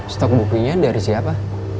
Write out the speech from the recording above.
stok bukunya dari siapa